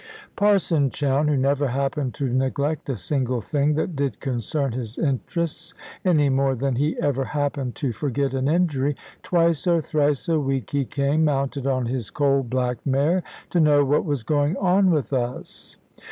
Parson Chowne (who never happened to neglect a single thing that did concern his interests, any more than he ever happened to forget an injury), twice or thrice a week he came, mounted on his coal black mare, to know what was going on with us.